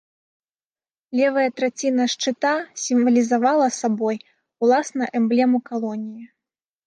Левая траціна шчыта сімвалізавала сабой уласна эмблему калоніі.